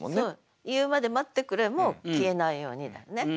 「言うまで待ってくれ」も「消えないように」だよね。